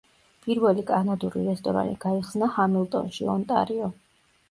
პირველი კანადური რესტორანი გაიხსნა ჰამილტონში, ონტარიო.